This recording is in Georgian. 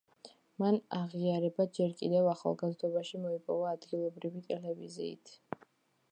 მან აღიარება ჯერ კიდევ ახალგაზრდობაში მოიპოვა ადგილობრივი ტელევიზიით.